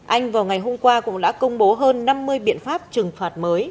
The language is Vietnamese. anh vào ngày hôm qua cũng đã công bố hơn năm mươi biện pháp trừng phạt mới